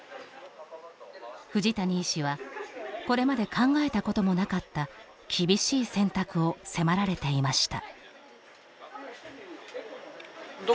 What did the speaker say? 藤谷医師はこれまで考えたこともなかった厳しい選択を迫られていました。